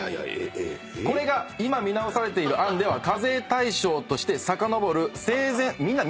これが今見直されている案では課税対象としてさかのぼる生前。